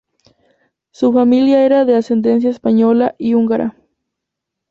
Su familia era de ascendencia española y húngara.